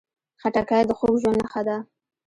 خټکی د خوږ ژوند نښه ده.